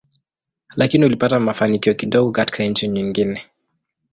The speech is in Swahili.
Lakini ulipata mafanikio kidogo katika nchi nyingine.